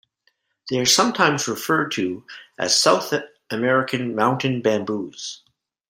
They are sometimes referred to as South American mountain bamboos.